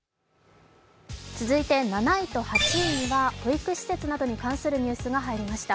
続いて７位と８位には保育施設などに関するニュースが入りました。